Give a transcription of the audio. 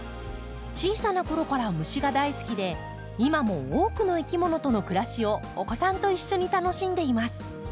小さなころから虫が大好きで今も多くのいきものとの暮らしをお子さんと一緒に楽しんでいます。